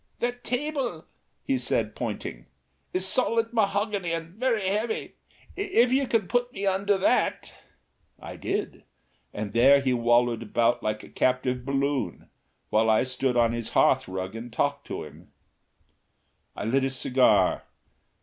"That table," he said, pointing, "is solid mahogany and very heavy. If you can put me under that " I did, and there he wallowed about like a captive balloon, while I stood on his hearthrug and talked to him. I lit a cigar.